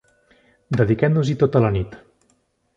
Dediquem-nos-hi tota la nit.